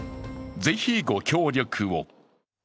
ぜひ御協力を。